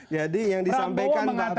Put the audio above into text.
jadi yang disampaikan pak prabowo